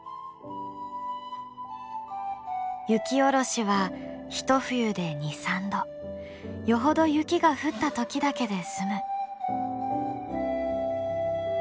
雪下ろしは一冬で２３度よほど雪が降った時だけで済む。